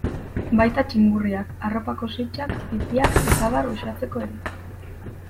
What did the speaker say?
Baita txingurriak, arropako sitsak, pipiak eta abar uxatzeko ere.